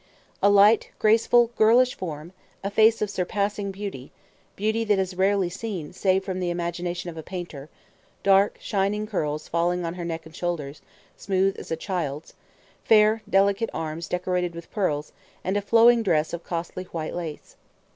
A light, graceful, girlish form; a face of surpassing beauty, beauty that is rarely seen, save from the imagination of a painter; dark shining curls falling on her neck and shoulders, smooth as a child's; fair, delicate arms decorated with pearls, and a flowing dress of costly white lace.